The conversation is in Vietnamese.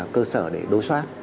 cơ sở để đối soát